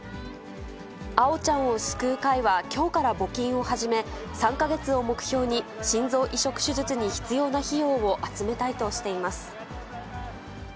あおちゃんを救う会はきょうから募金を始め、３か月を目標に心臓移植手術に必要な費用を集めたいとしています。